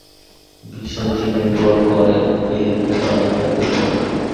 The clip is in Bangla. বিষয়টি নির্ভর করে এর উপাদানের উপর।